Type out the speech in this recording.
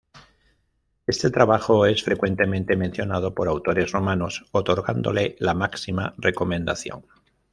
Este trabajo es frecuentemente mencionado por autores romanos, otorgándole la máxima recomendación.